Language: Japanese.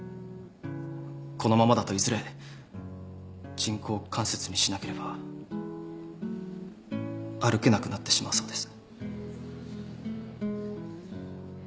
このままだといずれ人工関節にしなければ歩けなくなってしまうそうです。